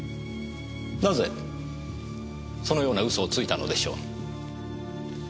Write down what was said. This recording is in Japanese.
なぜそのような嘘をついたのでしょう。